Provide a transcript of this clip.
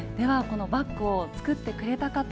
このバッグを作ってくれた方